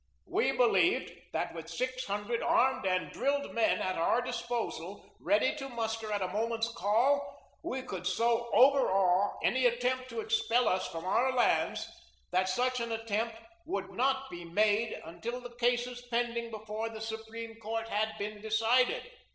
We believed that with six hundred armed and drilled men at our disposal, ready to muster at a moment's call, we could so overawe any attempt to expel us from our lands that such an attempt would not be made until the cases pending before the Supreme Court had been decided.